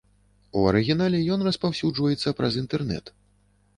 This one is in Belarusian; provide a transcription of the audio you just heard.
У арыгінале ён распаўсюджваецца праз інтэрнэт.